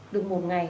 được một ngày